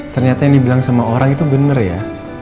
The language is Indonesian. ternyata yang dibilang sama orang itu benar ya